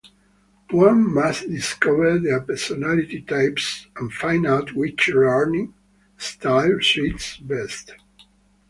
One must discover their personality types and find out which learning style suits best.